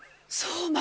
そう！